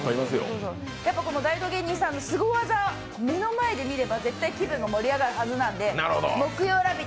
大道芸人さんのすご技目の前で見れば気分が盛り上がるはずなので木曜「ラヴィット！」